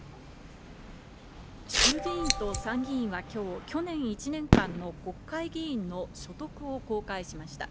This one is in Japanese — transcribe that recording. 衆議院と参議院は今日、去年１年間の国会議員の所得を公開しました。